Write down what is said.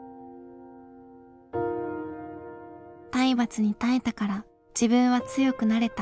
「体罰に耐えたから自分は強くなれた」